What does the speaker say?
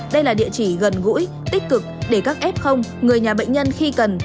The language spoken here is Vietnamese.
đây là địa chỉ gần gũi tích cực để các f người nhà bệnh nhân khi cần